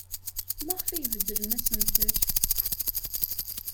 Maɣef ay beddlen asentel?